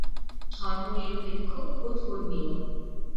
ধর্মনিরপেক্ষ ও ধর্মীয়।